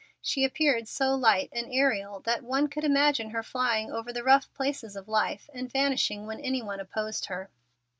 She appeared so light and aerial that one could imagine her flying over the rough places of life, and vanishing when any one opposed her.